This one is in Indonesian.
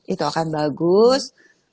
itu akan bagus